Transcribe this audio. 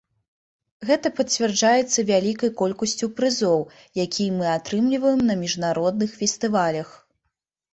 Гэта пацвярджаецца і вялікай колькасцю прызоў, якія мы атрымліваем на міжнародных фестывалях.